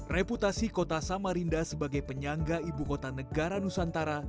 reputasi kota samarinda sebagai penyangga ibu kota negara nusantara